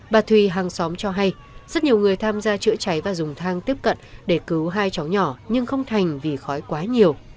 bà thùy hàng xóm cho hay rất nhiều người tham gia chữa cháy và dùng thang tiếp cận để cứu hai cháu nhỏ nhưng không thành vì khói quá nhiều